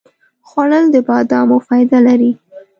خوړل د بادامو فایده لري